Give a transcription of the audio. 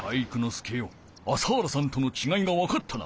介よ朝原さんとのちがいがわかったな。